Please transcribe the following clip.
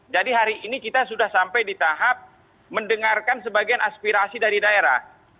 jadi hari ini kita sudah sampai di tahap mendengarkan sebagian aspirasi dari daerah